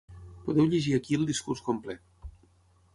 Podeu llegir ací el discurs complet.